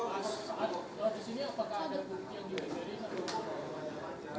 kalau di sini apakah ada bukti yang diajukan